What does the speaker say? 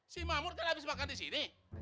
si mahmud kan habis makan disini